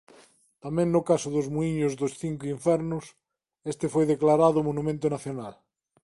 Tamén no caso dos muíños dos Cinco Infernos este foi declarado Monumento Nacional.